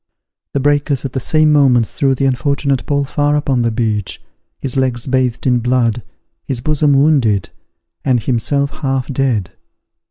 The breakers at the same moment threw the unfortunate Paul far upon the beach, his legs bathed in blood, his bosom wounded, and himself half dead.